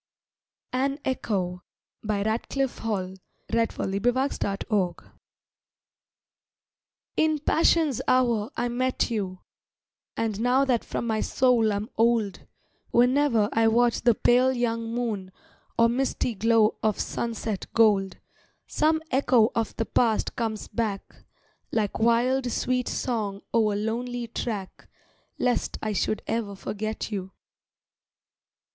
delight— I think eternity was ours that night. AN ECHO In passion's hour I met you, And now that from my soul I'm old, Whene'er I watch the pale young moon, Or misty glow of sunset gold, Some echo of the past comes back, Like wild, sweet song o'er lonely track Lest I should e'er forget you.